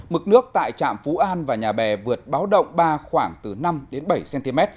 mực nước tại trạm phú an và nhà bè vượt báo động ba khoảng từ năm đến bảy cm